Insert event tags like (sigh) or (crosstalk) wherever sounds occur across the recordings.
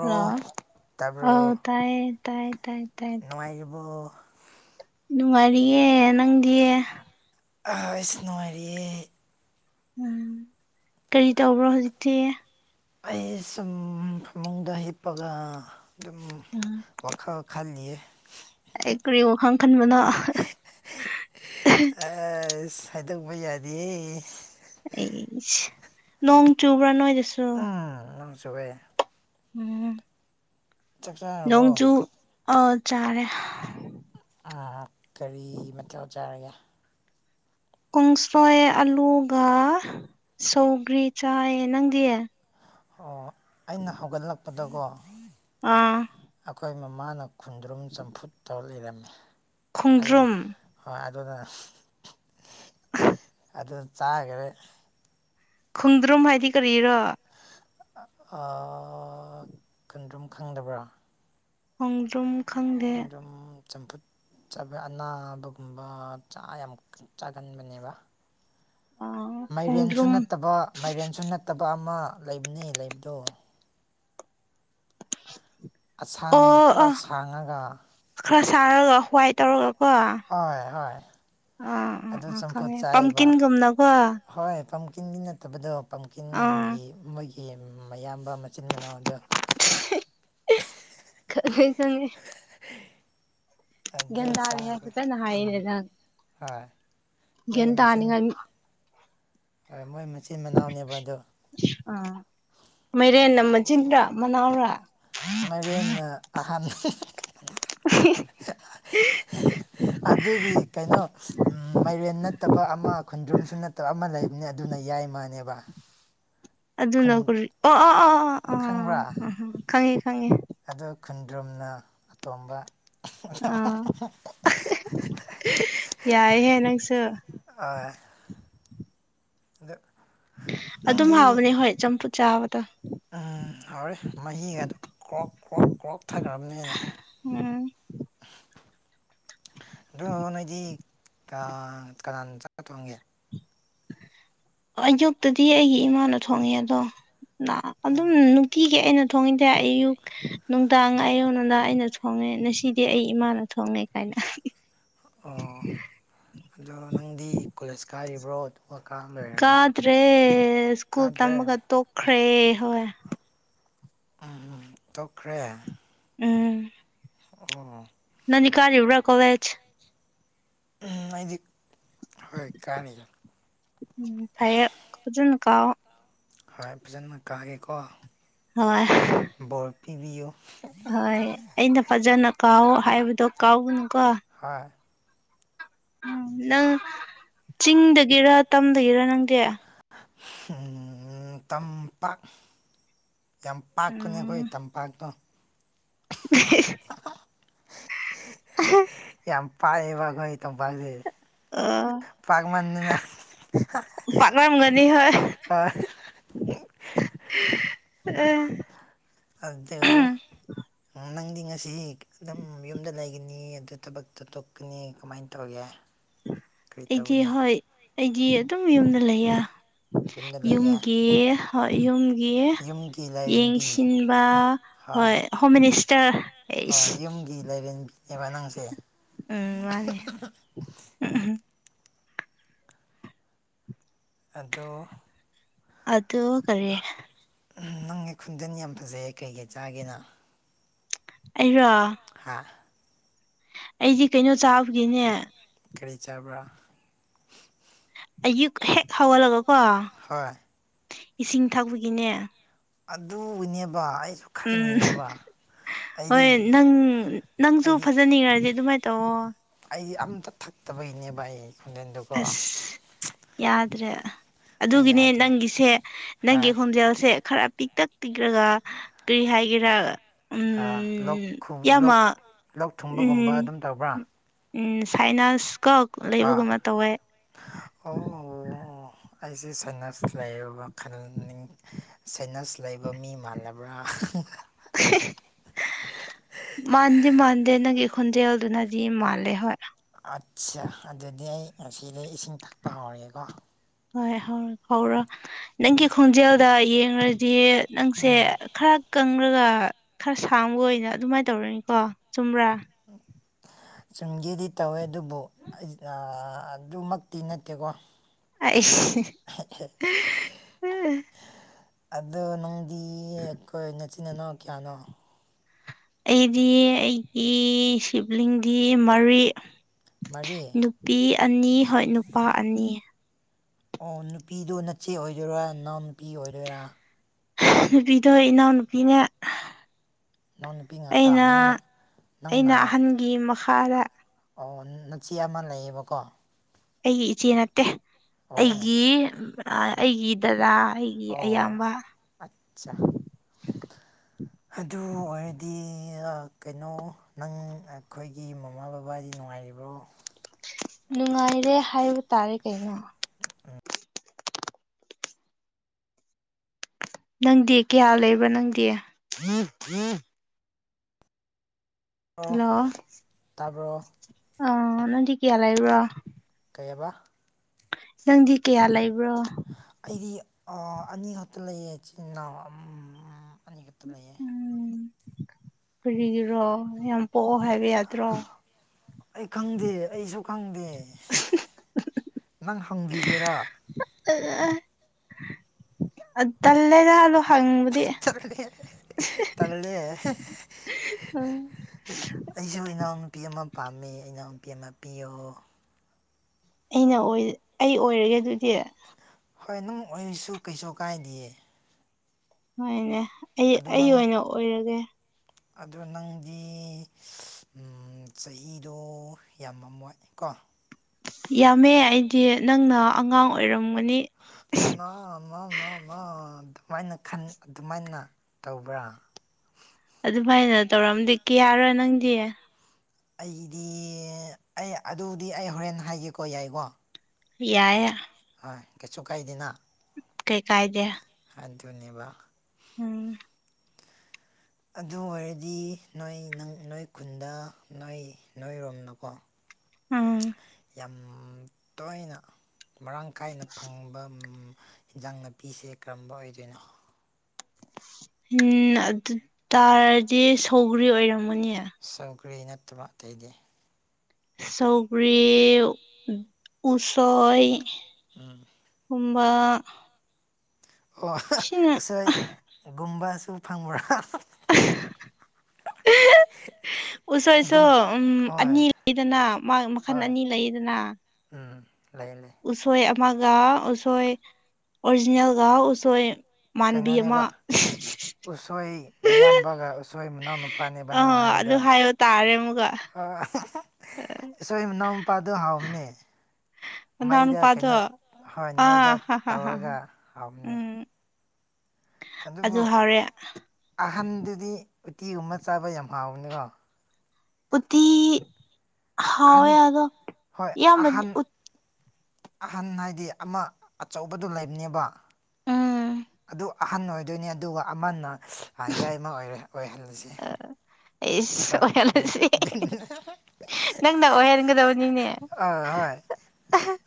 Hello ꯑ ꯇꯥꯏꯌꯦ ꯇꯥꯏꯌꯦ ꯇꯥꯏ ꯅꯨꯪꯉꯥꯏꯔꯤꯕꯣ ꯅꯨꯡꯉꯥꯏꯔꯤꯌꯦ ꯅꯪꯗꯤ꯫ ꯑꯁ ꯅꯨꯉꯥꯏꯔꯦ ꯎꯝ ꯀꯔꯤ ꯇꯧꯕ꯭ꯔꯣ ꯍꯧꯖꯤꯛꯇꯤ ꯑꯩ ꯁꯨꯝ ꯐꯃꯨꯡꯗ ꯍꯤꯞꯄꯒ ꯑꯗꯨꯝ ꯎꯝ ꯋꯥꯈꯜ ꯈꯜꯂꯤꯌꯦ ꯑꯩ ꯀꯔꯤ ꯋꯥꯈꯟ ꯈꯟꯕꯅꫭ ꯑꯁ ꯍꯥꯏꯗꯧꯕ ꯌꯥꯗꯦꯌꯦ ꯑꯩꯁ ꯅꫭꯡ ꯆꯨꯞꯕ꯭ꯔꯥ ꯅꯣꯏ ꯗꯁꯨ ꯎꯝ ꯅꯣꯡ ꯆꯨꯋꯦ ꯎꯝ ꯆꯥꯛ ꯆꯥꯔꯕꯣ ꯅꯣꯡꯖꯨ ꯑꯥ ꯆꯥꯔꯦ ꯑꯥ ꯀꯔꯤ ꯃꯊ‌ꯦꯜ ꯆꯥꯔꯒꯦ ꯀꯣꯡꯁ꯭ꯔꯣꯏ ꯑꯂꯨꯒ ꯁꯧꯒ꯭ꯔꯤ ꯆꯥꯏꯌꯦ ꯅꯪꯗꯤ ꯑꯣ ꯑꯩꯅ ꯍꯧꯒꯠꯂꯛꯄꯗꯒꯣ ꯎꯝ ꯑꯩꯈꯣꯏ ꯃꯃꯥꯅ ꯈꯨꯟꯗ꯭ꯔꯨꯝ ꯆꯝꯐꯨꯠꯇꯧ ꯂꯩꯔꯝꯃꯤ ꯑꯗꯨꯅ ꯈꯣꯡꯗ꯭ꯔꯨꯝ ꯍꯣꯏ ꯑꯗꯨꯗ ꯑꯗꯨ ꯆꯥꯒꯔꯦ ꯈꯣꯡꯗ꯭ꯔꯨꯝ ꯍꯥꯏꯗꯤ ꯀꯔꯤꯔꯣ ꯑꯥ ꯈꫭꯡꯗꯔꯨꯝ ꯈꯪꯗꯕ꯭ꯔꯥ ꯍꯣꯡꯗꯔꯨꯝ ꯈꯨꯟꯗꯔꯨꯝ ꯆꯝꯐꯨꯠ ꯑꯅꯥꯕꯒꯨꯝꯕ ꯆꯥ ꯌꯥꯝ ꯆꯥꯒꯟꯕꯅꯦꯕ ꯑꯥ ꯃꯥꯏꯔꯦꯟꯁꯨ ꯈꯣꯡꯗ꯭ꯔꯨꯝ ꯅꯠꯇꯕ ꯃꯥꯏꯔꯦꯟꯁꯨ ꯅꯠꯇꯕ ꯑꯃ ꯂꯩꯕꯅꯤ ꯂꯩꯕꯗ‌ꫭ ꯑꯁꯥꯡ ꯑꯣ ꯈꯔ ꯑꯣ ꯁꯥꯡꯉꯒ ꯈꯔ ꯁꯥꯔꯒ ꯍ꯭ꯋꯥꯏ ꯇꯧꯔꯒ ꯀꯣ ꯍꯣꯏ ꯍꯣꯏ ꯑꯥ ꯑꯥ ꯑꯗꯨ ꯑꯥ ꯆꯝꯐꯨꯠ ꯈꯪꯉꯦ ꯆꯥꯏꯕ ꯄꯝꯀꯤꯟꯒꯨꯝꯅꯀꯣ ꯍꯣꯏ ꯄꯝꯀꯤꯟꯗꯤ ꯅꯠ ꯇꯕꯗꯣ ꯑꯥ ꯄꯝꯀꯤꯟꯒꯤ ꯃꯣꯏꯒꯤ ꯃꯌꯥꯝꯕ ꯃꯆꯤꯟ ꯃꯅꯥꯎꯗꯣ ꯈꯪꯉꯦ ꯈꯪꯉꯦ ꯑꯗꯨ ꯒ꯭ꯌꯥꯟ ꯇꯥꯅꯤꯡꯉꯥꯏ ꯆꯥꯈ꯭ꯔꯦ ꯐꯖꯅ ꯍꯥꯏꯔꯤꯅꯦ ꯎꯝ ꯅꯪ ꯍꯣꯏ ꯒ꯭ꯌꯥꯟ ꯃꯣꯏꯒꯤ ꯃꯆꯤꯟ ꯇꯥꯅꯤꯡꯉꯥꯏ ꯍꯣꯏ ꯃꯣꯏ ꯃꯆꯤꯟ ꯃꯅꯥꯎꯅꯦꯕ ꯑꯗꯣ ꯑꯥꯡ ꯃꯥꯏꯔꯦꯟꯅ ꯃꯆꯤꯟꯔꯥ ꯃꯅꯥꯎꯔꯥ ꯃꯔꯦꯟꯅ ꯑꯍꯟ (unintelligible) ꯑꯗꯨꯒꯤ ꯀꯩꯅꯣ ꯎꯝ ꯃꯥꯏꯔꯦꯟ ꯅꯠꯇꯕ ꯑꯃ ꯈꯨꯟꯗ꯭ꯔꯨꯝꯁꯨ ꯅꯠ ꯇꯕ ꯑꯃ ꯂꯩꯕꯅꯦ ꯑꯗꯨꯅ ꯌꯥꯏꯃ ꯅꯦꯕ ꯑꯗꯨꯅ ꯑꯣ ꯑꯣ ꯑꯣ ꯈꯪꯉꯦ ꯈꯪꯉꯦ ꯑꯗꫭ ꯈꯨꯟꯗ꯭ꯔꯨꯝꯅ ꯑꯇꯣꯝꯕ ꯑꯥ ꯌꯥꯏꯍꯦ ꯅꯪꯁꯨ ꯑꯥ ꯑꯗꯨ ꯑꯗꯨꯝ ꯅꯪꯗꯤ ꯍꯥꯎꯕꯅꯦ ꯍꯣꯏ ꯆꯝꯐꯨꯠ ꯆꯥꯕꯗꯣ ꯎꯝ ꯍꯥꯎꯔꯦ ꯃꯍꯤꯒ ꯑꯗꯨ ꯀ꯭ꯔꯣꯛ ꯀ꯭ꯔꯣꯛ ꯀ꯭ꯔꯣꯛ ꯊꯛꯈ꯭ꯔꯥꯕꯅꯦꯅ ꯎꯝ ꯑꯗꯨ ꯅꯣꯏꯗꯤ ꯀꯥ ꯀꯅꯥꯅ ꯆꯥꯛ ꯊꯣꯡꯒꯦ ꯑꯌꯨꯛꯇꯗꯤ ꯑꯩꯒꯤ ꯏꯃꯥꯅ ꯊꯣꯡꯉꯦ ꯑꯗꯣ ꯑꯗꯨꯝ ꯎꯝ ꯅꯨꯡꯇꯤꯒꯤ ꯑꯩꯅ ꯊꯣꯡꯏꯗ ꯑꯌꯨꯛ ꯅꯨꯡ ꯗꯥꯡ ꯑꯌꯨꯛ ꯅꯨꯡꯗꯥꯡ ꯑꯩꯅ ꯊꯣꯡꯉꯦ ꯉꯁꯤꯗꯤ ꯑꯩ ꯏꯃꯥꯅ ꯊꯣꯡꯉꯦ ꯀꯥꯏꯅ ꯑꯣ ꯑꯗꯣ ꯅꯪꯗꯤ ꯀꯣꯂꯦꯖ ꯀꯥꯔꯤꯕ꯭ꯔꯣ ꯑꯗꯨꯒ ꯀꯥ ꯂꯣꯏꯔꯕꯣ ꯀꯥꯗ꯭ꯔꯦ ꯁ꯭ꯀꯨꯜ ꯀꯥꯗ꯭ꯔꯦ ꯇꯝꯕꯒ ꯇꯣꯛꯈ꯭ꯔꯦ ꯍꯣꯏ ꯎꯝ ꯎꯝ ꯇꯣꯛꯈ꯭ꯔꯦ ꯎꯝ ꯑꯣ ꯅꯪꯗꯤ ꯀꯥꯔꯤꯕ꯭ꯔꯥ ꯀꯣꯂꯦꯖ ꯎꯝ ꯑꯩꯗꯤ ꯍꯣꯏ ꯀꯥꯅꯤꯗꯥ ꯎꯝ ꯐꯩꯌꯦ ꯐꯖꯅꯥ ꯀꯥꯑꯣ ꯍꯣꯏ ꯐꯖꯅ ꯀꯥꯒꯦꯀꯣ ꯍꯣꯏ ꯕꯣꯔ ꯄꯤꯕꯤꯌꯨ ꯍꯣꯏ ꯑꯩꯅ ꯐꯖꯅ ꯀꯥꯎ ꯍꯥꯏꯕꯗꯣ ꯀꯥꯎꯒꯅꯨꯀꯣ ꯍꯣꯏ ꯎꯝ ꯅꯪ ꯆꯤꯡꯗꯒꯤꯔ ꯇꯝꯗꯒꯤꯔ ꯅꯪꯗꯤ ꯍꯝ ꯇꯝꯄꯥꯛ ꯌꯥꯝꯄꯥꯛꯄꯅꯦ ꯑꯩꯈꯣꯏ ꯎꯝ ꯇꯝꯄꯥꯛꯇꯣ (inaudible) ꯌꯥꯝ ꯄꯥꯏꯑꯦꯕꯥ ꯑꯈꯣꯏꯒꯤ ꯇꯝꯄꯥꯛꯁꯦ ꯄꯛꯃꯟꯗꯅ ꯄꯥꯛꯋꯥꯝꯒꯅꯤ ꯍꯣꯏ ꯍꯥꯏ ꯑ (unintelligible) ꯑꯗꯨ ꯅꯪꯗꯤ ꯉꯁꯤ ꯑꯗꯨꯝ ꯌꯨꯝꯗ ꯂꯩꯒꯅꯤ ꯑꯗꯨ ꯊꯕꯛ ꯆꯠꯊꯣꯛꯀꯅꯤ ꯀꯃꯥꯏꯅ ꯇꯧꯒꯦ ꯀꯔꯤ ꯑꯩꯗꯤ ꯇꯧꯒꯅꯤ ꯍꯣꯏ ꯑꯩꯗꯤ ꯑꯗꯨꯝ ꯌꯨꯝꯗ ꯂꯩꯌꯦ ꯌꯨꯝꯗ ꯂꯩꯌꯦ ꯌꯨꯝꯒꯤ ꯍꯣꯏ ꯌꯨꯝꯒꯤ ꯌꯨꯝꯒꯤ ꯂꯥꯏꯔꯦꯝꯕꯤ ꯌꯦꯡꯁꯤꯟꯕ ꯍꯣꯏ ꯍꯣꯝ ꯃꯤꯅꯤꯁꯇꯔ ꯍꯣꯏ ꯌꯨꯝꯒꯤ ꯂꯥꯏꯔꯦꯝꯕꯤ ꯅꯦꯕꯥ ꯅꯪꯁꯦ ꯎꯝ ꯃꯥꯅꯦ ꯎꯝ ꯑꯗꯣ ꯑꯗꯨ ꯀꯔꯤ ꯎꯝ ꯅꯪꯒꯤ ꯈꯨꯟꯖꯦꯟ ꯌꯥꯝ ꯐꯖꯩꯌꯦ ꯀꯩ ꯀꯩ ꯆꯥꯒꯦ ꯅꯪ ꯑꯩꯔꯣ ꯍꯥ ꯑꯩꯗꯤ ꯀꯩꯅꯣ ꯆꯥꯕꯒꯤꯅꯦ ꯀꯔꯤ ꯆꯥꯕ꯭ꯔꯥ ꯑꯌꯨꯛ ꯍꯦꯛ ꯍꯧꯒꯠꯂꯒꯀꯣ ꯍꯣꯏ ꯏꯁꯤꯡ ꯊꯛꯄꯒꯤꯅꯦ ꯑꯗꯨꯕꯨꯅꯦꯕ ꯑꯩꯁꯨ ꯎꯝ ꯈꯜꯂꯤꯅꯦꯕ ꯑꯩꯗꯤ ꯍꯣꯏ ꯅꯪ ꯅꯪꯁꯨ ꯐꯖꯅꯤꯡꯉꯗꯤ ꯑꯗꯨꯃꯥꯏꯅ ꯇꯧꯑꯣ ꯑꯩ ꯑꯝꯇ ꯊꯛꯇꯕꯩꯅꯦꯕ ꯑꯩ ꯈꯣꯟꯖꯦꯜꯗꯨꯀꯣ ꯑꯁ ꯌꯥꯗ꯭ꯔꯦ ꯑꯩ ꯑꯗꯨꯒꯤꯅꯦ ꯌꯥꯗ꯭ꯔꯦ ꯅꯪꯒꯤꯁꯦ ꯅꯪꯒꯤ ꯍꯣꯏ ꯈꯣꯟꯖꯦꯜꯁꯦ ꯈꯔ ꯄꯤꯛꯇꯛ ꯄꯤꯛꯈ꯭ꯔꯒ ꯀꯔꯤ ꯍꯥꯏꯒꯦꯔꯥ ꯑꯥ ꯂꯣꯛ ꯎꯝ ꯈꯨꯕ ꯌꯥꯝꯃ ꯂꯣꯛ ꯂꯣꯛ ꯊꯨꯡꯕꯒꯨꯝꯕ ꯎꯝ ꯑꯗꯨꯝ ꯇꯧꯕ꯭ꯔꯥ ꯎꯝ ꯁꯥꯏꯅꯥꯁꯀ ꯑꯥ ꯂꯩꯕꯒꯨꯝꯕ ꯇꯧꯋꯦ ꯑꯣ ꯑꯩꯁꯦ ꯁꯥꯏꯅꯁ ꯂꯩꯔꯕ ꯈꯜꯂꯤꯅꯤ ꯁꯥꯏꯅꯁ ꯂꯩꯕ ꯃꯤ ꯃꯥꯜꯂꯥꯕ꯭ꯔꯥ (unintelligible) (inaudible) ꯃꯥꯟꯗꯤ ꯃꯥꯟꯗꯦ ꯅꯪꯒꯤ ꯈꯣꯟꯖꯦꯜꯗꯨꯅꯗꯤ ꯃꯥꯜꯂꯦ ꯍꯣꯏ ꯑꯠꯆꯥ ꯑꯗꯨꯗꯤ ꯑꯩ ꯉꯁꯤꯗꯒꯤ ꯏꯁꯤꯡ ꯊꯛꯄ ꯍꯧꯔꯒꯦꯀꯣ ꯍꯣꯏ ꯍꯣꯏ ꯍꯧꯔ ꯅꯪꯒꯤ ꯈꯣꯟꯖꯦꯜꯗ ꯌꯦꯡꯔꯥꯗꯤ ꯅꯪꯁꯦ ꯎꯝ ꯈꯔ ꯀꯪꯔꯒ ꯈꯔ ꯁꯥꯡꯕ ꯑꯣꯏꯅ ꯑꯗꯨꯃꯥꯏꯅ ꯇꯧꯔꯅꯤꯀꯣ ꯆꯨꯝꯕ꯭ꯔꯥ ꯇ (inaudible) (unintelligible) ꯆꯨꯝꯒꯦꯗꯤ ꯇꯧꯋꯦ ꯑꯗꯨꯕꯨ ꯑꯗꯨꯃꯛꯇꯤ ꯅꯠꯇꯦꯀꯣ ꯑꯩꯁ ꯑꯗꯣ ꯅꯪꯗꯤ ꯑꯩꯈꯣꯏ ꯅꯆꯤꯟ ꯅꯥꯅꯥꯎ ꯀꯌꯥꯅꯣ ꯑꯩꯗꯤ ꯑꯩꯒꯤ ꯁꯤꯕꯂꯤꯡꯗꯤ ꯃꯔꯤ ꯃꯔꯤ ꯅꯨꯄꯤ ꯑꯅꯤ ꯍꯣꯏ ꯅꯨꯄꯥ ꯑꯅꯤ ꯑꯣ ꯅꯨꯄꯤꯗꯨꯣ ꯅꯆꯦ ꯑꯣꯏꯗꯣꯏꯔꯥ ꯅꯅꯥꯎ ꯅꯨꯄꯤ ꯑꯣꯏꯗꯣꯏꯔꯥ ꯅꯨꯄꯤꯗꯣ ꯏꯅꯥꯎꯅꯨꯄꯤꯅꯦ ꯅꯅꯥꯎꯅꯨꯄꯤ ꯉꯥꯛꯇ ꯑꯩꯅ ꯅꯪꯅ ꯅꯪꯅ ꯑꯩꯅ ꯑꯍꯟꯒꯤ ꯃꯈꯥꯗ ꯑꯣ ꯅꯆꯦ ꯑꯃ ꯂꯩꯌꯦꯕꯀꯣ ꯑꯩꯒꯤ ꯏꯆꯦ ꯅꯠꯇꯦ ꯑꯣ ꯑꯣ ꯑꯩꯒꯤ ꯑꯩꯒꯤ ꯗꯗꯥ ꯑꯩꯒꯤ ꯑꯌꯥꯝꯕ ꯑꯆꯥ ꯎꯝ (inaudible) ꯑꯗꯨ ꯑꯣꯏꯔꯗꯤ ꯀꯩꯅꯣ ꯅꯪ ꯑꯩꯈꯣꯏꯒꯤ ꯃꯃꯥ ꯕꯕꯥ ꯍꯥꯏꯗꯤ ꯅꯨꯡꯉꯥꯏꯔꯤꯕ꯭ꯔꯣ ꯅꯨꯡꯉꯥꯏꯔꯦ ꯍꯥꯏꯕ ꯇꯥꯔꯦ ꯀꯩꯅꯣ ꯎꯝ ꯅꯪꯗꯤ ꯀꯌꯥ ꯂꯩꯕ꯭ꯔꯥ ꯅꯪꯗꯤ ꯑꯣ ꯍꯜꯂꯣ ꯇꯥꯕ꯭ꯔꯣ ꯑ ꯅꯗꯤ ꯀꯌꯥ ꯂꯩꯕ꯭ꯔꯣ ꯀꯩꯕ ꯅꯪꯗꯤ ꯀꯌꯥ ꯂꯩꯕ꯭ꯔꯣ ꯑꯩꯗꯤ ꯑꯅꯤ ꯈꯛꯇ ꯂꯩꯑ ꯏꯆꯤꯤꯟꯜ ꯏꯅꯥꯎ ꯑꯅꯤꯈꯛꯇ ꯂꯩꯑ ꯎꯝ ꯐꯔꯤꯒꯤꯔꯣ ꯌꯥꯝ ꯄꯣꯛꯑꯣ ꯍꯥꯏꯕ ꯌꯥꯗ꯭ꯔꯣ ꯑꯩ ꯈꯪꯗꯦ ꯑꯩꯁꯨ ꯈꯪꯗꯦ ꯅꯪ ꯍꯪꯕꯤꯒꯦꯔꯥ ꯇꯜꯂꯦꯔ ꯑꯗꯣ ꯍꯪꯕꯗꯤ ꯇꯂꯅ ꯎꯝ ꯑꯩꯁꯨ ꯏꯅꯥꯎ ꯅꯨꯄꯤ ꯑꯃ ꯄꯥꯝꯃꯦ ꯏꯅꯥꯎ ꯅꯨꯨꯄꯤ ꯑꯃ ꯄꯤꯌꯣ ꯑꯩꯅ ꯑꯩ ꯑꯣꯏꯔꯒꯦ ꯑꯗꯨꯗꯤ ꯍꯣꯏ ꯅꯨꯡ ꯑꯣꯏꯔꯤꯁꯨ ꯀꯩꯁꯨ ꯀꯥꯏꯗꯌꯦ ꯍꯣꯏꯅꯦ ꯑꯩ ꯑꯩ ꯑꯣꯏꯅ ꯑꯣꯏꯔꯒꯦ ꯑꯗꯣ ꯅꯪꯗꯤ ꯆꯍꯤꯗꯣ ꯌꯥꯝꯃ ꯋꯥꯏ ꯀꯣ ꯌꯥꯝꯃꯦ ꯑꯩꯗꯤ ꯅꯪꯅ ꯑꯉꯥꯡ ꯑꯣꯏꯔꯝꯒꯅꯤ ꯃꯥ ꯃꯥ ꯃꯥ ꯃꯥ ꯑꯗꯨꯃꯥꯏꯅꯟ ꯑꯗꯨꯃꯥꯏꯅ ꯇꯧꯕ꯭ꯔꯥ ꯑꯗꯨꯃꯥꯏꯅ ꯇꯧꯔꯝꯗꯤ ꯀꯌꯥꯔꯣꯏ ꯅꯪꯗꯤ ꯑꯩꯒꯤꯗꯤ ꯑꯩ ꯑꯗꯨꯗꯤ ꯑꯩ ꯍꯣꯔꯦꯟ ꯍꯥꯏꯒꯦꯀꯣ ꯌꯥꯏꯀꯣ ꯌꯥꯏ ꯍꯣꯏ ꯀꯩꯁꯨ ꯀꯥꯏꯗꯅ ꯀꯩ ꯀꯥꯏꯗꯦ ꯍꯥꯏ ꯅꯦꯕ ꯎꯝ ꯑꯗꯨ ꯑꯣꯏꯔꯗꯤ ꯅꯣꯏ ꯅꯪ ꯅꯣꯏ ꯈꯨꯟꯗ ꯅꯣꯏ ꯅꯣꯏꯔꯣꯝꯅꯀꯣ ꯎꯝ ꯌꯥꯝ ꯇꯣꯏꯅ ꯃꯔꯥꯡ ꯀꯥꯏꯅ ꯐꯪꯕ ꯏꯟꯖꯥꯡ ꯅꯥꯄꯤꯁꯦ ꯀꯔꯝꯕ ꯑꯣꯏꯗꯣꯏꯅꯣ ꯎꯝ ꯑꯗꯨ ꯇꯥꯔꯗꯤ ꯁꯧꯒ꯭ꯔꯤ ꯑꯣꯏꯔꯝꯃꯅꯦ ꯁꯪꯀ꯭ꯔꯤ ꯅꯠꯇꯕꯇꯩꯩꯗꯤꯦ ꯁꯧꯒ꯭ꯔꯤ ꯎꯁꯣꯏ ꯎꯝ ꯀꯝꯕ ꯑꯣ ꯎꯁꯣꯏ ꯒꯨꯝꯕꯁꯨ ꯐꯪꯕ꯭ꯔꯥ ꯑ ꯎꯁꯣꯏꯁꯨ ꯒꯨꯝ ꯎ ꯍꯣꯏ ꯑꯅꯤ ꯂꯩꯗꯅ ꯃꯈꯜ ꯍꯣꯏ ꯑꯅꯤ ꯂꯩꯗꯅ ꯎꯝ ꯂꯩ ꯂꯩ ꯎꯁꯣꯏ ꯑꯃꯒ ꯎꯁꯣꯏ ꯑꯣꯔꯤꯖꯤꯅꯦꯜꯒ ꯎꯁꯣꯏ ꯃꯥꯟꯕꯤ ꯀꯩꯅꯣꯅꯦꯕ ꯑꯃ ꯎꯁꯣꯏ ꯃꯌꯥꯝꯕꯒ ꯎꯁꯣꯏ ꯃꯅꯥꯎꯅꯨꯄꯥ ꯄꯥꯟꯅꯤ ꯅꯣ ꯑꯥ ꯍꯥꯏꯗ ꯑꯗꯨ ꯍꯥꯏꯕ ꯇꯥꯔꯦ ꯑꯃꯨꯛꯀ ꯁꯣꯏꯅꯥꯎ ꯃꯄꯥꯗꯣ ꯍꯥꯎꯕꯅꯦ ꯃꯅꯥꯎ ꯃꯩꯗ ꯀꯩꯅꯣ ꯅꯨꯄꯥꯗꯣ ꯍ ꯃꯩꯗ ꯑꯥ ꯍꯥ ꯍꯥ ꯍꯥ ꯇꯧꯔꯒ ꯍꯥꯎꯅꯤ ꯎꯝ ꯑꯗꯨꯕꯨ ꯑꯗꯨ ꯍꯥꯎꯔꯦ ꯑꯍꯟꯗꯨꯗꯤ ꯎꯇꯤꯒꯨꯝꯕ ꯆꯥꯕ ꯌꯥꯝ ꯍꯥꯎꯕꯅꯤꯀꯣ ꯄꯨꯊꯤ ꯍꯥꯎꯋ ꯑꯍꯟ ꯌꯥꯗꯣ ꯍꯣꯏ ꯌꯥꯝ ꯃ ꯑꯍꯟ ꯑꯍꯟ ꯍꯥꯏꯗꯤ ꯑꯃ ꯑꯆꯧꯕꯗꯨꯣ ꯂꯩꯕꯅꯦꯕ ꯎꯝ ꯑꯗꯨ ꯑꯍꯟ ꯑꯣꯏꯗꯣꯏꯅꯤ ꯑꯗꯨꯒ ꯑꯃꯅ ꯌꯥꯏꯃ ꯑꯣꯏꯔ ꯑꯣꯏꯍꯜꯂꯁꯦ ꯀ ꯑꯩꯁ ꯑꯣꯏꯍꯜꯂꯁꯤ ꯅꯪꯅ ꯑꯣꯏꯍꯟꯒꯗꯕꯅꯤꯅꯦ ꯑꯣꯏ ꯍꯣꯏ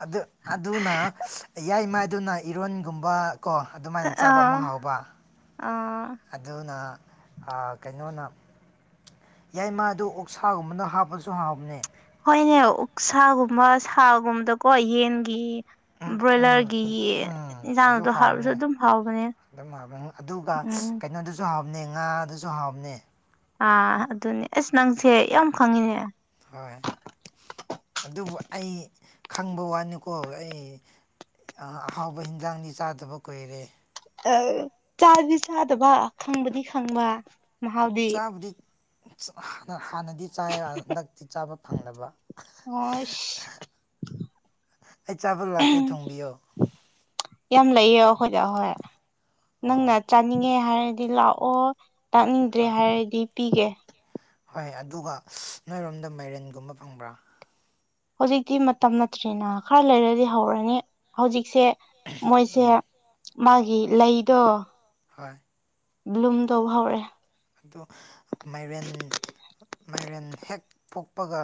ꯑꯗꯨ ꯑꯗꯨꯅ ꯌꯥꯏ ꯃꯥꯏꯗꯨꯅ ꯏꯔꯣꯟꯒꯨꯝꯕ ꯀꯣ ꯑꯗꯨꯃꯥꯏꯅ ꯆꯥꯕ ꯑꯥ ꯑꯃꯨꯛ ꯍꯥꯎꯕ ꯑꯥ ꯑꯗꯨꯅ ꯀꯩꯅꯣꯅ ꯌꯥꯏ ꯃꯥ ꯑꯗꯨ ꯑꯣꯛꯁꯥꯒꯨꯝꯕꯅ ꯍꯥꯞꯄꯁꯨ ꯍꯥꯞꯕꯅꯦ ꯍꯣꯏꯅꯦ ꯎꯛꯁꯥꯒꯨꯝꯕ ꯁꯥꯒꯨꯝꯕꯗꯀꯣ ꯌꯦꯟꯒꯤ ꯎꯝ ꯎꯝ ꯕ꯭ꯔꯣꯏꯂꯔꯒꯤ ꯎꯝ ꯏꯟꯁꯥꯡꯗꯣ ꯍꯥꯥꯎꯔꯁꯨ ꯑꯗꯨꯝ ꯍꯥꯎꯕꯅꯦ ꯑꯗꯨꯝꯅꯤ ꯑꯗꯨꯒ ꯎꯝ ꯀꯩꯅꯣꯗꯨꯁꯨ ꯍꯥꯎꯕꯅꯦ ꯉꯥꯗꯨꯁꯨ ꯍꯥꯎꯕꯅꯦ ꯑꯥ ꯑꯗꯨꯅꯦ ꯑꯁ ꯅꯪꯁꯦ ꯌꯥꯝ ꯈꯪꯉꯤꯅꯦ ꯍꯣꯏ ꯑꯗꯨꯕꯨ ꯑꯩ ꯈꯪꯕ ꯋꯥꯅꯤꯀꯣ ꯑꯩ ꯑꯍꯥꯎꯕ ꯍꯤꯟꯖꯥꯡꯅꯤ ꯆꯥꯗꯕ ꯀꯨꯏꯔꯦ ꯑ ꯆꯥꯗꯤ ꯆꯥꯗꯕ ꯈꯪꯕꯅꯤ ꯈꯪꯕ ꯃꯍꯥꯎꯗꯤ ꯆꯥꯕꯨꯗꯤ ꯍꯥꯟꯅꯗꯤ ꯆꯥ ꯍꯟꯗꯛꯇꯤ ꯆꯥꯕ ꯐꯪꯗꯕ ꯑꯣꯁ ꯑꯩ ꯆꯥꯕ ꯂꯥꯛꯀꯦ ꯊꯣꯡꯕꯤꯌꯣ ꯌꯥꯝ ꯂꯩꯌꯦ ꯑꯩꯈꯣꯏꯗ ꯍꯣꯏ ꯅꯪꯅ ꯑꯣ ꯇꯥꯛꯅꯤꯡꯉꯦ ꯍꯥꯏꯔꯗꯤ ꯂꯥꯛꯑꯣ ꯇꯥꯛꯅꯤꯡꯗ꯭ꯔꯦ ꯍꯣꯏ ꯍꯥꯏꯔꯗꯤ ꯄꯤꯒꯦ ꯍꯣꯏ ꯑꯗꯨꯒ ꯅꯣꯏꯔꯣꯝꯗ ꯃꯥꯏꯔꯦꯟꯒꯨꯝꯕ ꯐꯪꯕ꯭ꯔꯥ ꯍꯧꯖꯤꯛꯇꯤ ꯃꯇꯝ ꯅꯠꯇ꯭ꯔꯦꯅ ꯈꯔ ꯂꯩꯔꯗꯤ ꯍꯧꯔꯅꯤ ꯍꯧꯖꯤꯛꯁꯦ ꯃꯣꯏꯁꯦ ꯎꯝ ꯃꯥꯒꯤ ꯂꯩꯗꯣ ꯍꯣꯏ ꯕ꯭ꯂꯨꯝ ꯇꯧꯕ ꯍꯧꯔꯦ ꯑꯗꯨ ꯃꯥꯏꯔꯦꯟ ꯃꯥꯏꯔꯦꯟ ꯍꯦꯛ ꯄꯣꯛꯄꯒ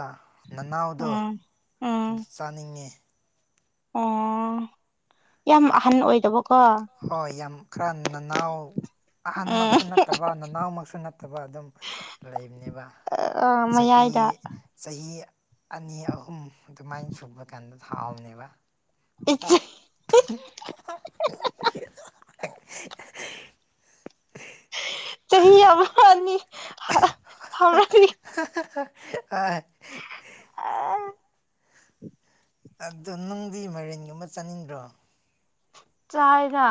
ꯅꯅꯥꯎꯗꯣ ꯎꯝ ꯑꯗꯨ ꯎꯝ ꯆꯥꯅꯤꯡꯉꯤ ꯑꯣ ꯌꯥꯝ ꯑꯍꯟ ꯑꯣꯏꯗꯕꯀꯣ ꯍꯣꯏ ꯌꯥꯝ ꯈꯔ ꯅꯅꯥꯎ ꯑꯍꯟꯃꯛꯁꯨ ꯅꯠꯇꯕ ꯅꯅꯥꯎꯃꯛꯁꯨ ꯅꯠꯇꯕ ꯑꯗꯨꯝ ꯂꯩ ꯂꯩꯕꯅꯦꯕ ꯎꯝ ꯆꯍꯤ ꯃꯌꯥꯏꯗ ꯆꯍꯤ ꯑꯅꯤ ꯑꯍꯨꯝ ꯑꯗꯨꯃꯥꯏꯅ ꯁꯨꯕ ꯀꯥꯟꯗ ꯊꯥꯎꯕꯅꯦꯕ ꯏ ꯁꯤ ꯆꯍꯤ ꯆꯍꯤ ꯌꯥꯝꯅꯤ (inaudible) ꯍꯣꯏ ꯑ ꯑꯗꯣ ꯅꯪꯗꯤ ꯃꯦꯔꯦꯟꯒꯨꯝꯕ ꯆꯥꯅꯤꯡꯗ꯭ꯔꯣ ꯆꯥꯏꯒ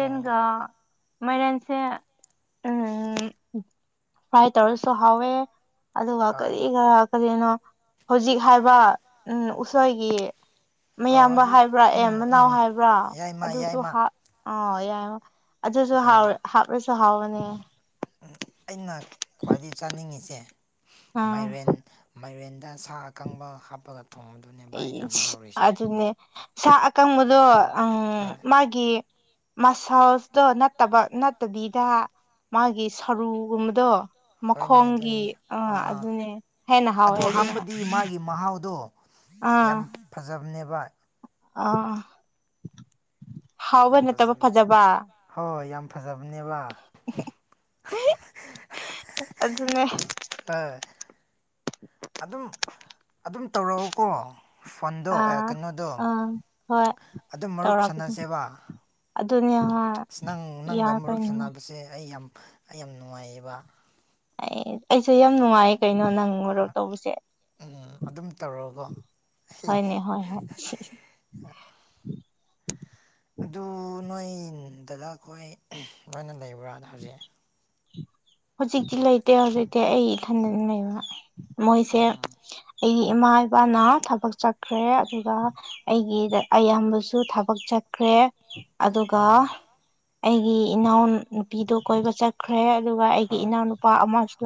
ꯑꯣ ꯃꯥꯏꯔꯟꯁꯦ ꯎꯝ ꯐꯚꯥꯏ ꯇꯔꯁꯨꯣ ꯍꯦ ꯑꯗꯨꯒ ꯍꯣꯏ ꯀꯔꯤ ꯈꯔ ꯀꯔꯤꯅꯣ ꯍꯧꯖꯤꯛ ꯍꯥꯏꯕ ꯎꯝ ꯎꯁꯣꯏꯒꯤ ꯑꯣ ꯃꯌꯥꯝꯕ ꯑꯗꯨ ꯍꯥꯏꯕ꯭ꯔꯥ ꯑꯦ ꯎꯝ ꯃꯅꯥꯎ ꯎꯝ ꯍꯥꯏꯕ꯭ꯔꯥ ꯌꯥꯏꯃ ꯑꯗꯨꯁꯨ ꯌꯥꯏꯃ ꯑ ꯌꯥꯏ ꯑꯗꯨꯁꯨ ꯌꯥꯏꯃ ꯍꯥꯞꯂꯁꯨ ꯍꯥꯎꯕꯅꯦ ꯑꯩꯅ ꯈ꯭ꯋꯥꯏꯗꯗꯒꯤ ꯆꯥꯅꯤꯡꯉꯤꯁꯦ ꯑꯥ ꯃꯥꯏꯔꯦꯟ ꯃꯥꯏꯔꯦꯟꯗ ꯁꯥ ꯑꯀꯪꯕ ꯍꯥꯞꯄꯒ ꯊꯣꯡꯉ ꯑꯩ ꯑꯗꯨꯅꯦ ꯁꯥ ꯑꯀꯪꯕꯗꯣ ꯎꯝ ꯍꯣꯏ ꯃꯥꯒꯤ ꯒꯤ ꯃꯁꯜꯁꯇꯣ ꯅꯠꯇꯕ ꯅꯠꯇꯕꯤꯗ ꯃꯥꯒꯤ ꯁꯔꯨꯒꯨꯝꯕꯗꯣ ꯍꯣꯏꯅꯦ ꯃꯈꯣꯡꯒꯤ ꯑꯗꯨꯅꯤꯅꯦ ꯑꯥ ꯑꯥ ꯑꯗꯨꯅꯦ ꯍꯦꯟꯅ ꯍꯥꯎꯋꯦ ꯑꯗꯨꯣ ꯑꯗꯨꯅ ꯍꯥꯞꯄꯗꯤ ꯃꯥꯒꯤ ꯃꯍꯥꯎꯗꯣ ꯑꯥ ꯌꯥꯝ ꯐꯖꯕꯅꯦꯕ ꯑꯥ ꯍꯥꯎꯕ ꯌꯥꯝ ꯅꯠꯇꯕ ꯐꯖꯕꯅꯦ ꯐꯖꯕ ꯍꯣꯏ ꯌꯥꯝ ꯐꯖꯕꯅꯦꯕ ꯀ ꯍꯣꯏ ꯑꯗꯨꯝ ꯑꯗꯨꯝ ꯇꯧꯔꯛꯑꯣꯀꯣ ꯐꯣꯟꯗꯣ ꯑꯥ ꯀꯩꯅꯣꯗꯣ ꯑꯥ ꯍꯣꯏ ꯑꯗꯨꯝ ꯃꯔꯨꯞ ꯇꯧꯔꯛꯀꯅꯤ ꯁꯥꯟꯅꯁꯦꯕ ꯑꯗꯨꯅꯦ ꯑ ꯅꯪ ꯅꯪꯒ ꯌꯥꯏ ꯃꯔꯨꯞ ꯀꯩꯅꯣ ꯁꯥꯟꯅꯕꯁꯦ ꯑꯩ ꯌꯥꯝ ꯑꯩ ꯌꯥꯝ ꯅꯨꯡꯉꯥꯏꯌꯦꯕ ꯑꯦ ꯑꯩꯁꯦ ꯌꯥꯝ ꯅꯨꯡꯉꯥꯏꯌꯦ ꯀꯩꯅꯣ ꯅꯪ ꯃꯔꯣꯔꯣꯛ ꯇꯧꯕꯁꯦ ꯎꯝ ꯑꯗꯨꯝ ꯇꯧꯔꯒ ꯍꯅꯦ ꯍꯣꯏ ꯍ ꯑ ꯑꯗꯨ ꯅꯣꯏ ꯗꯗ ꯑꯩꯈꯣꯏ ꯅꯣꯏꯅ ꯂꯩꯕ꯭ꯔꯥꯅ ꯍꯥꯏ ꯍꯧꯖꯤꯛꯇꯤ ꯂꯩꯇꯦ ꯍꯧꯖꯤꯛꯇꯤ ꯑꯩ ꯏꯊꯟꯗꯅ ꯂꯩꯕ ꯃꯣꯏꯁꯦ ꯎꯝ ꯑꯩꯒꯤ ꯏꯃꯥ ꯏꯄꯥꯅ ꯊꯕꯛ ꯆꯠꯈ꯭ꯔꯦ ꯑꯗꯨꯒ ꯑꯩꯒꯤꯗ ꯑꯌꯥꯝꯕꯁꯨ ꯊꯕꯛ ꯆꯠꯈ꯭ꯔꯦ ꯑꯗꯨꯒ ꯑꯥ ꯑꯩꯒꯤ ꯏꯅꯥꯎ ꯅꯨꯨꯄꯤꯗꯨꯣ ꯀꯣꯏꯕ ꯆꯠ ꯈ꯭ꯔꯦ ꯑꯗꯨꯒ ꯑꯩꯒꯤ ꯍꯣꯏ ꯏꯅꯥꯎꯅꯨꯄꯥ ꯑꯃꯁꯨ ꯂꯩ